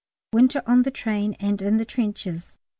WINTER ON THE TRAIN AND IN THE TRENCHES.